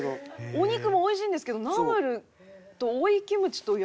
お肉もおいしいんですけどナムルとオイキムチと野菜が。